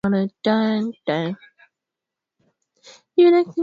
ikiwemo kukosa malipo yanayokidhi na unywanyasaji wa kingono dhidi ya wanahabari wa kike